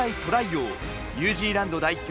王ニュージーランド代表